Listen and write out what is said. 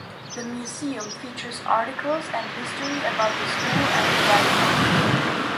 The museum features articles and history about the school and the rising.